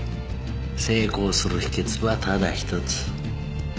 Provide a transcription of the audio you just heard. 成功する秘訣はただ一つ。